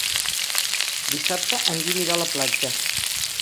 Dissabte en Guim irà a la platja.